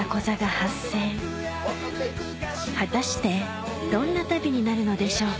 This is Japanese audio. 果たしてどんな旅になるのでしょうか？